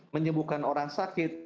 menyembuhkan orang sakit